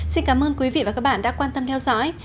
xin cảm ơn quý vị và các bạn đã quan tâm theo dõi